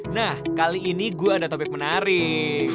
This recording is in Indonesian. nah kali ini gue ada topik menarik